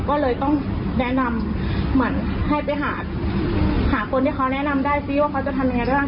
ก็เลยต้องแนะนำเหมือนให้ไปหาหาคนที่เขาแนะนำได้ซิว่าเขาจะทำยังไงบ้าง